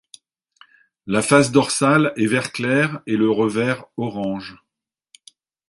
La face dorsale est vert clair et le revers orange.